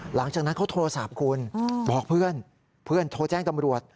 หลังจากนั้นเขาโทรศัพท์คุณบอกเพื่อนเพื่อนโทรแจ้งตำรวจ